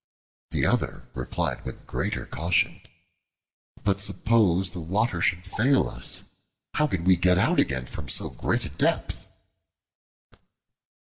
The other replied with greater caution, "But suppose the water should fail us. How can we get out again from so great a depth?"